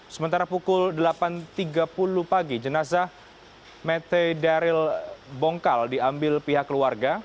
sementara pukul delapan tiga puluh pagi jenazah mete daryl bongkal diambil pihak keluarga